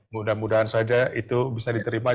mudah mudahan saja itu bisa diterima